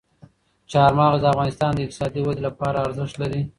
چار مغز د افغانستان د اقتصادي ودې لپاره ارزښت لري.